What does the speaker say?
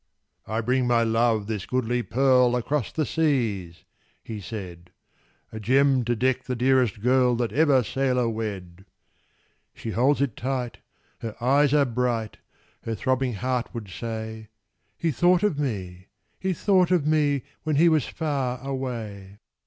"I bring my Love this goodly pearl Across the seas," he said: "A gem to deck the dearest girl That ever sailor wed!" She holds it tight: her eyes are bright: Her throbbing heart would say "He thought of me he thought of me When he was far away!"